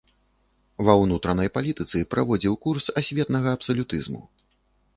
Ва ўнутранай палітыцы праводзіў курс асветнага абсалютызму.